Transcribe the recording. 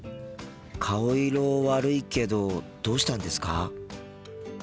顔色悪いけどどうしたんですか？